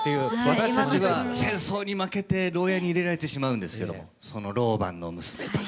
私たちは戦争に負けて牢屋に入れられてしまうんですけどもその牢番の娘と。